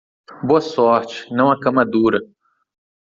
Boa sorte, não há cama dura.